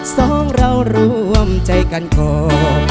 สองเรารวมใจกันก่อน